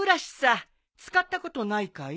使ったことないかい？